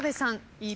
いい。